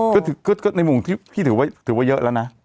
ก็ในมุมที่พี่ถือว่าเยอะแล้วนะ